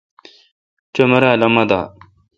چو مرال اؙن ما دا۔